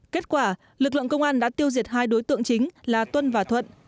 kết quả lực lượng công an đã tiêu diệt hai đối tượng chính là tuân và thuận